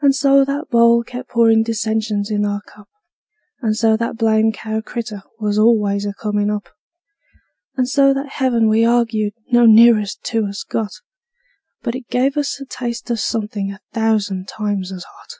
And so that bowl kept pourin' dissensions in our cup; And so that blamed cow critter was always a comin' up; And so that heaven we arg'ed no nearer to us got, But it gave us a taste of somethin' a thousand times as hot.